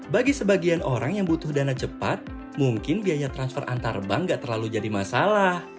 bagi sebagian orang yang butuh dana cepat mungkin biaya transfer antar bank gak terlalu jadi masalah